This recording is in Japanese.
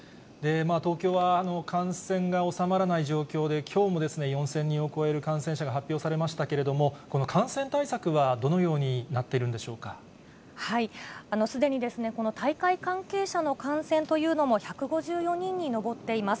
東京は感染が収まらない状況で、きょうも４０００人を超える感染者が発表されましたけれども、この感染対策はどのようになってすでにこの大会関係者の感染というのも、１５４人に上っています。